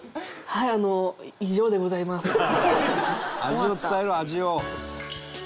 「味を伝えろ味を」